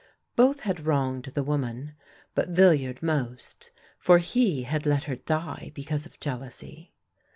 Both had wronged the woman, but Villiard most, for he had let her die because of jealousy.